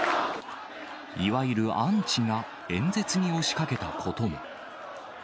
いわゆるアンチが演説に押しかけたことも。